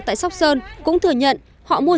tại sóc sơn cũng thừa nhận họ mua